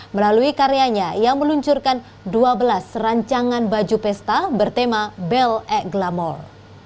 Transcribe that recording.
melalui karyanya ia meluncurkan dua belas rancangan baju pesta bertema belle at glamour